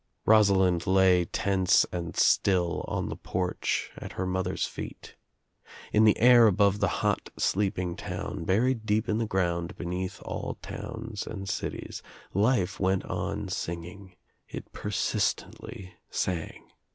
Rosalind lay tense and still on the porch at her mother's feet. In the air above the hot sleeping town, buried deep In the ground beneath all towns and cities, life went on singing, It persistently sang.